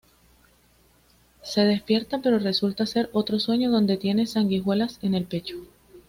Se despierta, pero resulta ser otro sueño donde tiene sanguijuelas en el pecho.